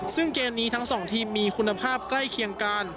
ซึ่งเกมนี้ทั้งสองทีมมีคุณภาพใกล้เคียงกัน